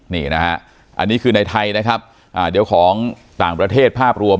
นี่นะฮะอันนี้คือในไทยนะครับเดี๋ยวของต่างประเทศภาพรวม